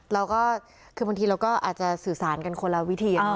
เราก็คือบางทีเราก็อาจจะสื่อสารกันคนละวิธี